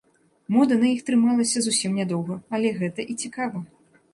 Мода на іх трымалася зусім нядоўга, але гэта і цікава.